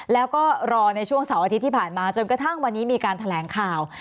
แล้วก็รอในช่วงเสาร์อาทิตย์ที่ผ่านมาจนกระทั่งวันนี้มีการแถลงข่าว